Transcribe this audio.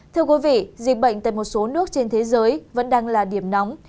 thưa quý vị dịch bệnh tại một số nước trên thế giới vẫn đang là điểm nóng